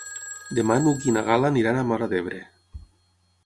Demà n'Hug i na Gal·la aniran a Móra d'Ebre.